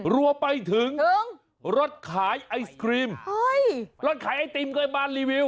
รั่วไปถึงรถขายไอศกรีมรถขายไอติมก็ให้บานรีวิว